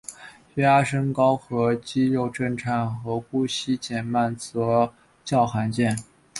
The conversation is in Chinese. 血压升高和肌肉震颤和呼吸减慢则较罕见。